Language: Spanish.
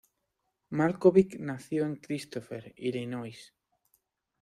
Malkovich nació en Christopher, Illinois.